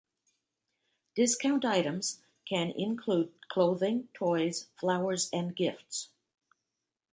Discount items can include clothing, toys, flowers, and gifts.